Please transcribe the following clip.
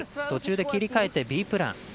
途中で切り替えてＢプラン